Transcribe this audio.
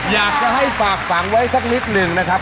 อยากจะให้ฝากฝังไว้สักนิดหนึ่งนะครับ